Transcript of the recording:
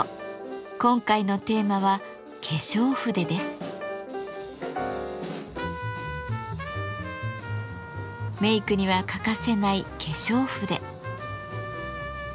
今回のテーマはメイクには欠かせない化粧筆。